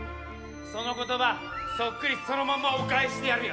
その言葉そっくりそのままお返ししてやるよ。